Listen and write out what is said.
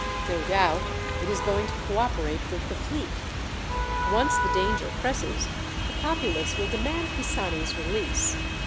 No doubt it is going to cooperate with the fleet. Once the danger presses, the populace will demand Pisani's release.